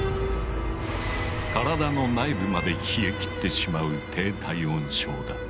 体の内部まで冷えきってしまう低体温症だ。